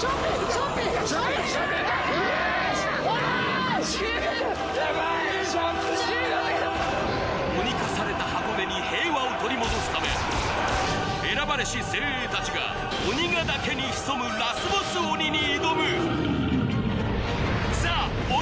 しょっぴー鬼化された箱根に平和を取り戻すため選ばれし精鋭たちが鬼牙岳に潜むラスボス鬼に挑むＴＨＥ鬼